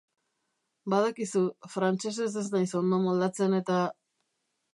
Badakizu, frantsesez ez naiz ondo moldatzen eta...